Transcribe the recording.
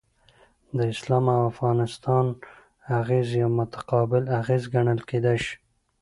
د اسلام او افغانستان اغیزه یو متقابل اغیز ګڼل کیدای شي.